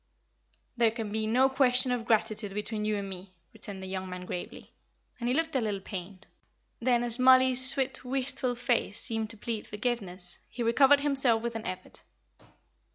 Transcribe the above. "There can be no question of gratitude between you and me," returned the young man, gravely; and he looked a little pained. Then, as Mollie's sweet, wistful face seemed to plead forgiveness, he recovered himself with an effort.